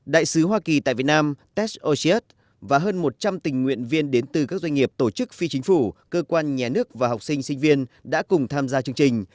đại sứ hoa kỳ tại việt nam test osius và hơn một trăm linh tình nguyện viên đến từ các doanh nghiệp tổ chức phi chính phủ cơ quan nhà nước và học sinh sinh viên đã cùng tham gia chương trình